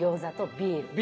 ビール。